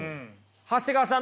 長谷川さん